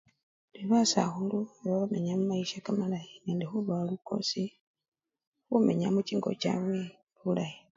Indi basakhulu baba bamenya mumayisya kamalayi nende khubawa lukosi khumenya muchingo chabwe bulayi.